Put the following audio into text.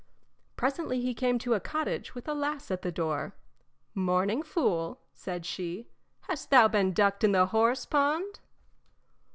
Presently he came to a cottage with a lass at the door. "Morning, fool," said she; "hast thou been ducked in the horse pond?"